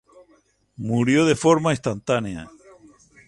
Murió de forma instantánea.